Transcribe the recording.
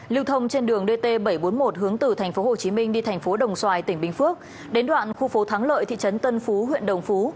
lưu thông trên đường dt bảy trăm bốn mươi một hướng từ tp hcm đi thành phố đồng xoài tỉnh bình phước đến đoạn khu phố thắng lợi thị trấn tân phú huyện đồng phú